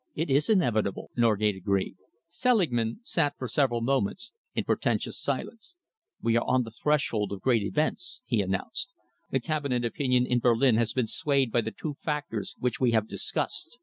"It is inevitable," Norgate agreed. Selingman sat for several moments in portentous silence. "We are on the threshold of great events," he announced. "The Cabinet opinion in Berlin has been swayed by the two factors which we have discussed.